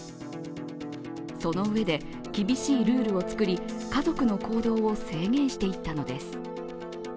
そのうえで厳しいルールを作り、家族の行動を制限していったのです。